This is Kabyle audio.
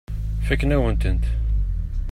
Fakken-awen-tent.